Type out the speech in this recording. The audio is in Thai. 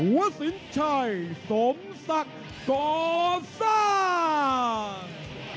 วัฒนชัยสมศักดิ์ต่อซ้าย